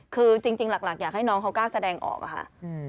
คือจริงหลักอยากให้น้องเขากล้าแสดงออกอะค่ะ